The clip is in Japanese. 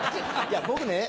いや僕ね